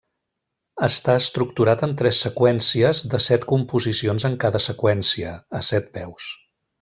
Està estructurat en tres seqüències de set composicions en cada seqüència, a set veus.